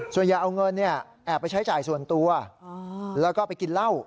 ส่วนอย่าเอาเงินแอบไปใช้จ่ายส่วนตัวแล้วก็ไปกินเหล้า